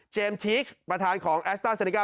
เจมส์ทิคประธานของแอสต้าเซเนก้า